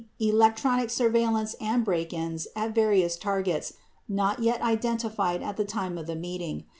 Electronic surveillance and break ins at various targets not yet identified at the time of the meeting.